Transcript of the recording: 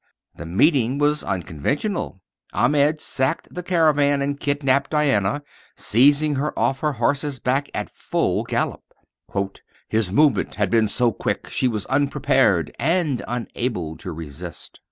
The meeting was unconventional. Ahmed sacked the caravan and kidnapped Diana, seizing her off her horse's back at full gallop. "His movement had been so quick she was unprepared and unable to resist.